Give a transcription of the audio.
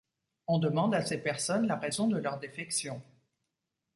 On demande à ces personnes la raison de leur défection.